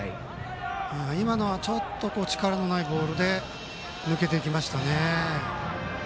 今のはちょっと力のないボールで抜けていきましたね。